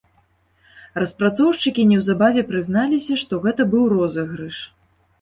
Распрацоўшчыкі неўзабаве прызналіся, што гэта быў розыгрыш.